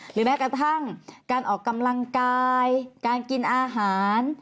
แม้กระทั่งการออกกำลังกายการกินอาหาร